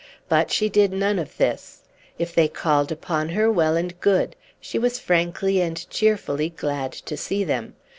But she did none of this. If they called upon her, well and good; she was frankly and cheerfully glad to see them.